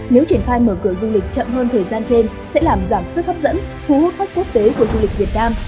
nếu triển khai mở cửa du lịch chậm hơn thời gian trên sẽ làm giảm sức hấp dẫn thu hút khách quốc tế của du lịch việt nam